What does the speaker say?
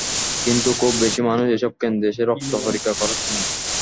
কিন্তু খুব বেশি মানুষ এসব কেন্দ্রে এসে রক্ত পরীক্ষা করাচ্ছে না।